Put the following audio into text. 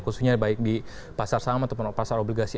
khususnya baik di pasar saham ataupun pasar obligasi